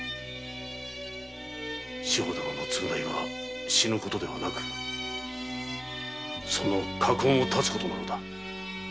志保殿の償いは死ぬ事ではなくその禍根を断つ事だ。